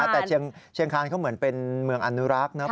แต่เชียงคานเขาเหมือนเป็นเมืองอนุรักษ์นะครับ